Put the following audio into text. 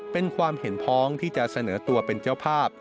เป็นความเห็นพ้องที่จะเสนอตัวเป็นเจ้าภาพ